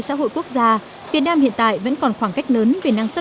xã hội quốc gia việt nam hiện tại vẫn còn khoảng cách lớn về năng suất